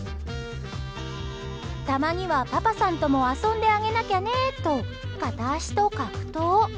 たまにはパパさんとも遊んであげなきゃねと片足と格闘。